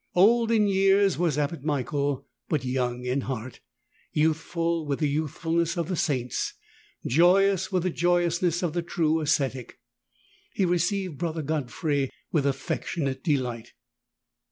Old in years was Abbot Michael, but young in heart — youthful with the youthfulness of the saints, joyous with the joyousness of the true ascetic. He received Brother Godfrey with affectionate delight.